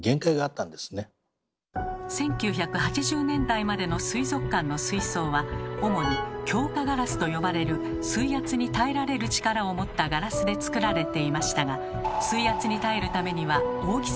１９８０年代までの水族館の水槽は主に「強化ガラス」と呼ばれる水圧に耐えられる力を持ったガラスで造られていましたが水圧に耐えるためには